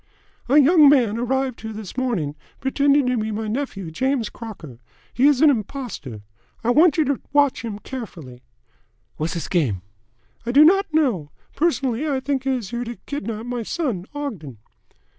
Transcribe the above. "A young man arrived here this morning, pretending to be my nephew, James Crocker. He is an impostor. I want you to watch him very carefully." "Whassiz game?" "I do not know. Personally I think he is here to kidnap my son Ogden."